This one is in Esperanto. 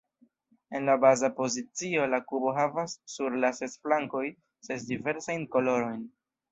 En la baza pozicio, la kubo havas sur la ses flankoj ses diversajn kolorojn.